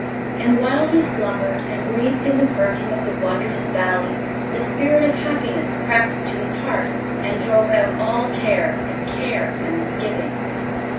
And while he slumbered and breathed in the perfume of the wondrous Valley the Spirit of Happiness crept into his heart and drove out all terror and care and misgivings.